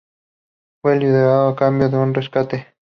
Fue liberado a cambio de un rescate.